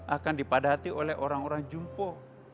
akan dipadati oleh orang orang yang jumbo